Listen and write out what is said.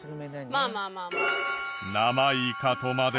まあまあまあまあ。